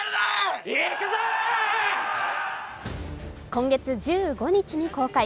今月１４日に公開。